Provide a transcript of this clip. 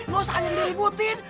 lu asal yang diributin